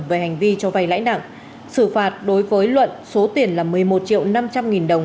về hành vi cho vay lãi nặng xử phạt đối với luận số tiền là một mươi một triệu năm trăm linh nghìn đồng